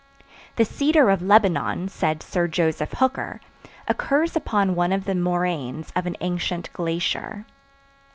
The cedar of Lebanon, said Sir Joseph Hooker, occurs upon one of the moraines of an ancient glacier.